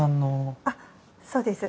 あっそうです。